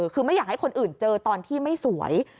คือไม่อยากให้คนอื่นเจอตอนที่ไม่สวย